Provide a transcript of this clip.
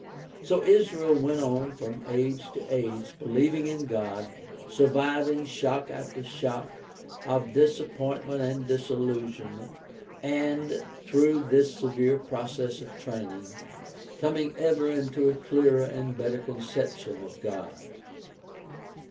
So Israel went on from age to age believing in God, surviving shock after shock of disappvointment and disillusionment, and, OLD TESTAMENT AND RELIGION OF ISRAEL 155 through this severe process of training, coming ever into a clearer and better conception of God.